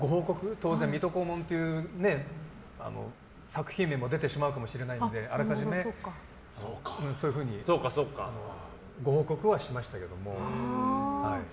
当然、「水戸黄門」という作品名も出てしまうかもしれないのであらかじめご報告はしましたけども。